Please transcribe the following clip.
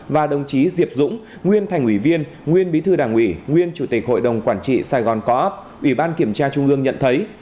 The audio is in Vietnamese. và đồng chí diệp dũng nguyên thành ủy viên nguyên bí thư đảng ủy nguyên chủ tịch hội đồng quản trị sài gòn co op ủy ban kiểm tra trung ương nhận thấy